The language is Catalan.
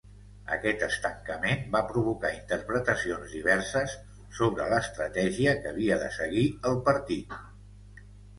Aquest estancament va provocar interpretacions diverses sobre l'estratègia que havia de seguir el partit.